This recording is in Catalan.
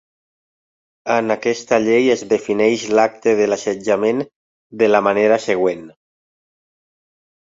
En aquesta llei es defineix l'acte de l'assetjament de la manera següent.